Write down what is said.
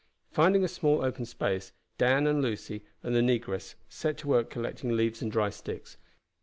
Finding a small open space, Dan, and Lucy, and the negress set to work collecting leaves and dry sticks.